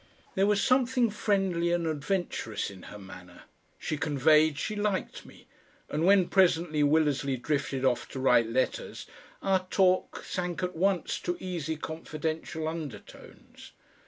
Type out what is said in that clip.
There was something friendly and adventurous in her manner; she conveyed she liked me, and when presently Willersley drifted off to write letters our talk sank at once to easy confidential undertones.